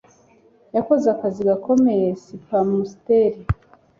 Yakoze akazi gakomeye Spamster